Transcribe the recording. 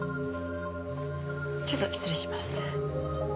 ちょっと失礼します。